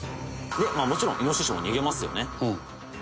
「もちろんイノシシも逃げますよね」